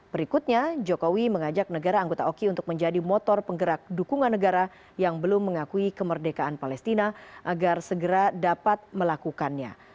berikutnya jokowi mengajak negara anggota oki untuk menjadi motor penggerak dukungan negara yang belum mengakui kemerdekaan palestina agar segera dapat melakukannya